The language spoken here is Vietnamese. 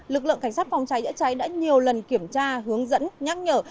lực lượng cảnh sát phòng cháy chữa cháy đã nhiều lần kiểm tra hướng dẫn nhắc nhở